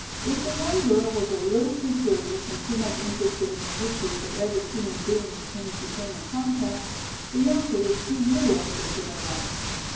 If the one girl was a little too curious and too much interested in the histories of every human being with whom she came in contact, Bianca was too little interested in them.